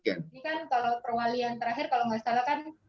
ini kan kalau perwalian terakhir kalau nggak salah kan